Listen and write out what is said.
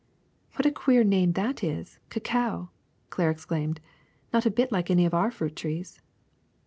'' ^^What a queer name that is — cacao!" Claire ex claimed ;^ ^not a bit like any of our fruit trees.